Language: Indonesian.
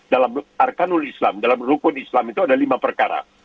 dalam arkanul islam dalam rukun islam itu ada lima perkara